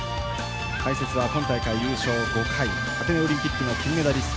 解説は本大会優勝５回アテネオリンピック金メダリスト